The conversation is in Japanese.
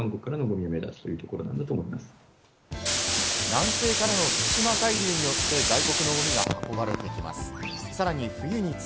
南西からの対馬海流によって外国のゴミが運ばれてきます。